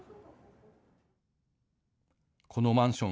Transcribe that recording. このマンション。